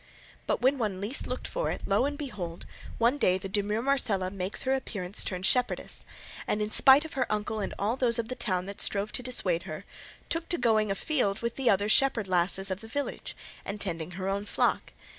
But when one least looked for it, lo and behold! one day the demure Marcela makes her appearance turned shepherdess; and, in spite of her uncle and all those of the town that strove to dissuade her, took to going a field with the other shepherd lasses of the village, and tending her own flock.